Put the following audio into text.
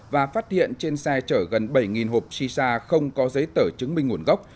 và phát hiện trên xe chở gần bảy hộp shisha không có giấy tờ chứng minh nguồn gốc